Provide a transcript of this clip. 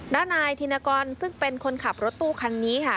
ด้านนายธินกรซึ่งเป็นคนขับรถตู้คันนี้ค่ะ